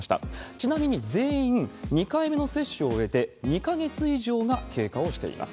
ちなみに全員、２回目の接種を終えて２か月以上が経過をしています。